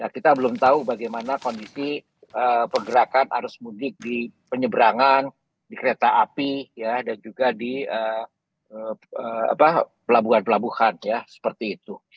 kita belum tahu bagaimana kondisi pergerakan arus mudik di penyeberangan di kereta api dan juga di pelabuhan pelabuhan ya seperti itu